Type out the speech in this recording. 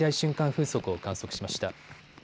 風速を観測しました。